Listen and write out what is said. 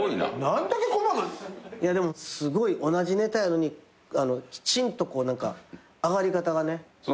いやでもすごい同じネタやのにきちんとこう何か上がり方がね。